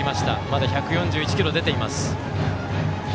まだ１４１キロ出ています。